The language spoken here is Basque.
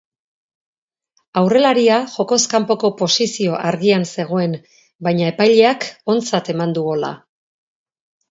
Aurrelaria jokoz kanpoko posizio argian zegoen, baina epaileak ontzat eman du gola.